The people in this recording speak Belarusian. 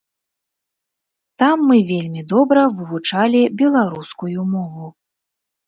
Там мы вельмі добра вывучалі беларускую мову.